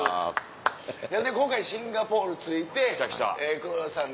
今回シンガポール着いて黒田さん